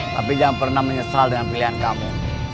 tapi jangan pernah menyesal dengan pilihan kamu